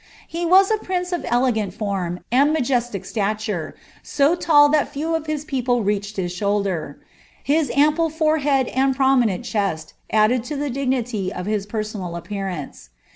^ He was a prince of n, and majestic stature, so tall that few of his people reached sr. His ample forehead and prominent chest added to the his personal appearance.